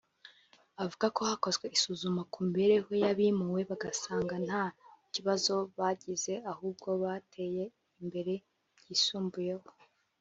avuga ko hakozwe isuzuma ku mibereho y’abimuwe bagasanga nta kibazo bagize ahubwo bateye imbere byisumbuyeho